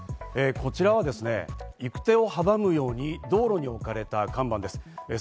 こちらはですね、行く手を阻むように、道路に置かれた看板です。